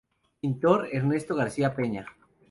Pintor: Ernesto García Peña.